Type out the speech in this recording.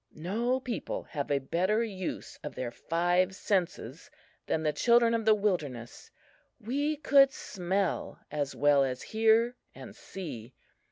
No people have a better use of their five senses than the children of the wilderness. We could smell as well as hear and see.